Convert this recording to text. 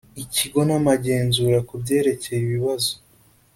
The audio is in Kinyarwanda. ikigo n amagenzura ku byerekeye ibibazo